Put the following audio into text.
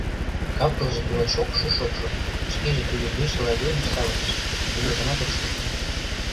Кап-кылже тугай шокшо-шокшо, шкеже туге лишыл айдемыш савырныш — кынелтымат ок шу.